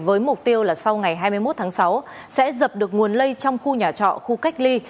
với mục tiêu là sau ngày hai mươi một tháng sáu sẽ dập được nguồn lây trong khu nhà trọ khu cách ly